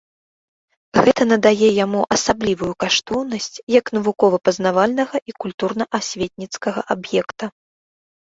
Гэта надае яму асаблівую каштоўнасць як навукова-пазнавальнага і культурна-асветніцкага аб'екта.